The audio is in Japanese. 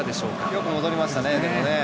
よく戻りましたね。